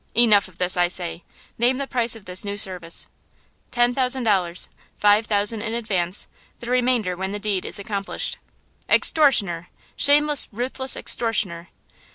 "Enough of this, I say! Name the price of this new service!" "Ten thousand dollars–five thousand in advance–the remainder when the deed is accomplished." "Extortioner! Shameless, ruthless extortioner!"